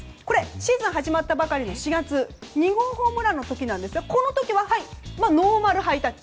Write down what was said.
シーズン始まったばかりの４月２号ホームランの時ですがこの時はノーマルハイタッチ。